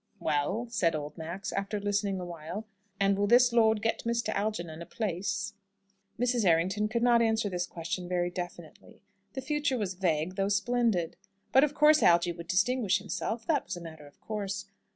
"Well," said old Max, after listening awhile, "and will this lord get Mr. Algernon a place?" Mrs. Errington could not answer this question very definitely. The future was vague, though splendid. But of course Algy would distinguish himself. That was a matter of course.